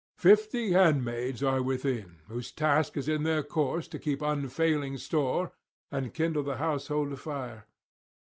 Fifty handmaids are within, whose task is in their course to keep unfailing store and kindle the household fire.